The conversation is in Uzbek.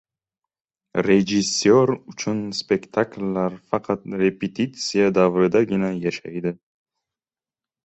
Rejissyor uchun spektakllar faqat repetitsiya davridagina yashaydi.